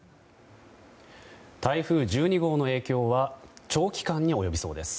台風１２号の影響は長期間に及びそうです。